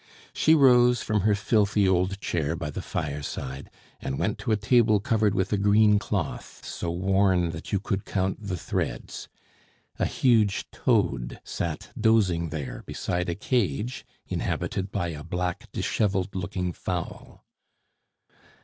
She rose from her filthy old chair by the fireside, and went to a table covered with a green cloth so worn that you could count the threads. A huge toad sat dozing there beside a cage inhabited by a black disheveled looking fowl.